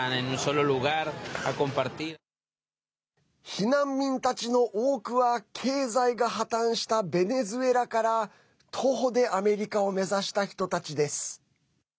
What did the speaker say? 避難民たちの多くは経済が破綻したベネズエラから徒歩でアメリカを目指した人たちです。